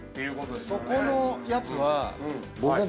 そこのやつは。